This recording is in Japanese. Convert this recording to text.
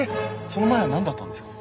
その前は何だったんですか？